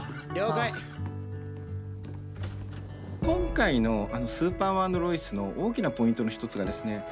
今回の「スーパーマン＆ロイス」の大きなポイントの一つがですね